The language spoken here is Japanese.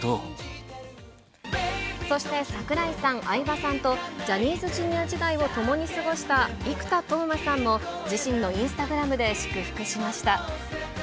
そして、櫻井さん、相葉さんとジャニーズＪｒ．時代を共に過ごした生田斗真さんも、自身のインスタグラムで祝福しました。